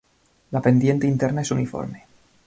La pendiente interna es uniforme.